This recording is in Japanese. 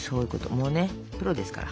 もうねプロですから。